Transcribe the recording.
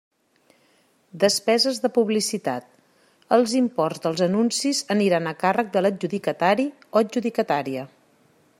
Despeses de publicitat: els imports dels anuncis aniran a càrrec de l'adjudicatari o adjudicatària.